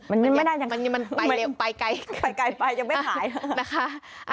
มันไปไกลไปไกลไปยังไม่หายนะคะ